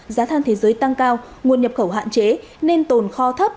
giá than thế giới tăng cao nguồn nhập khẩu hạn chế nên tồn kho thấp